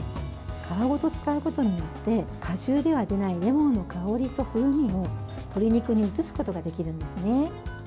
皮ごと使うことによって果汁では出ないレモンの香りと風味を鶏肉に移すことができるんですね。